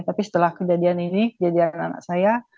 tapi setelah kejadian ini jajaran anak saya